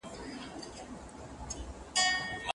آیا د سترګو لید د غوږونو تر اورېدو باوري دی؟